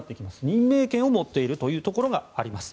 任命権を持っているところがあります。